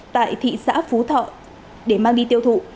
tại thị xã phú thọ để mang đi tiêu thụ